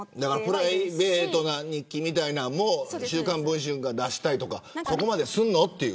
プライベートな日記なんかも週間文春が出したりとかそこまでするのっていう。